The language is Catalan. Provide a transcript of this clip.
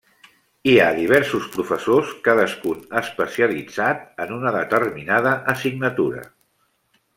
Hi ha diversos professors, cadascun especialitzat en una determinada assignatura.